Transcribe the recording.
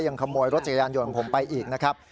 ขโมยรถจักรยานยนต์ของผมไปอีกนะครับ